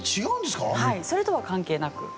それとは関係なく。